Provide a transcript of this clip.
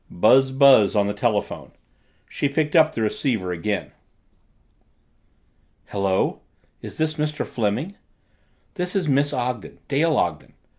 Buzz buzz on the telephone. She picked up the receiver again. "Hello is this Mr. Fleming? This is Miss Ogden Dale Ogden.